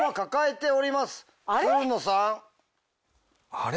あれ？